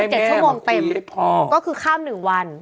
เจ็ดชั่วโมงเต็มก็คือข้ามหนึ่งวัน